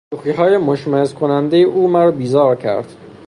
شوخیهای مشمئز کنندهی او مرا بیزار کرد.